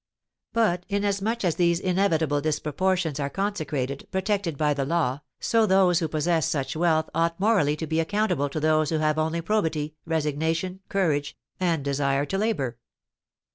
But, inasmuch as these inevitable disproportions are consecrated, protected by the law, so those who possess such wealth ought morally to be accountable to those who have only probity, resignation, courage, and desire to labour.